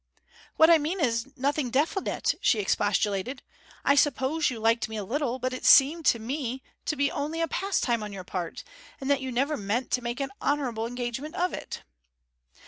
'What I mean is, nothing definite,' she expostulated. 'I suppose you liked me a little; but it seemed to me to be only a pastime on your part, and that you never meant to make an honourable engagement of it.'